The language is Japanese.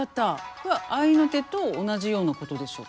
これは合いの手と同じようなことでしょうかね。